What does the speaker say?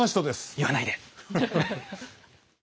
言わないで！